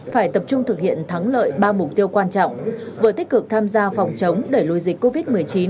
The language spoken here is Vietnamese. phải tập trung thực hiện thắng lợi ba mục tiêu quan trọng vừa tích cực tham gia phòng chống đẩy lùi dịch covid một mươi chín